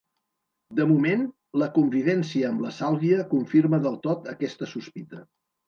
De moment, la convivència amb la Sàlvia confirma del tot aquesta sospita.